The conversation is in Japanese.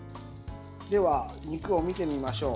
では、肉を見てみましょう。